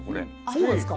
そうですか。